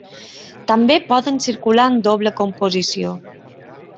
També poden circular en doble composició.